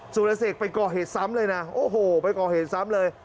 สุรเสกไปก่อเหตุซ้ำเลยนะโอ้โหไปก่อเหตุซ้ำเลย